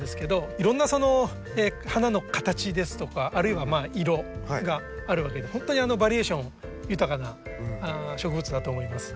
いろんな花の形ですとかあるいは色があるわけで本当にバリエーション豊かな植物だと思います。